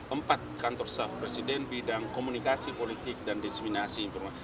empat kantor staff presiden bidang komunikasi politik dan disminasi informasi